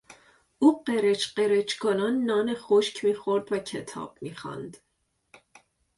او قرچ قرچ کنان نان خشک میخورد و کتاب میخواند.